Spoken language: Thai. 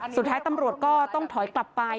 สุดท้ายตำรวจก็ต้องถอยกลับไป